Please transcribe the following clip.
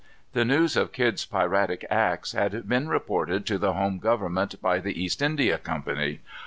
The news of Kidd's piratic acts had been reported to the home government by the East India Company.